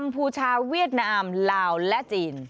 พูชาเวียดนามลาวและจีน